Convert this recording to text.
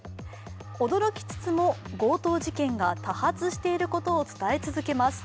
驚きつつも、強盗事件が多発していることを伝え続けます。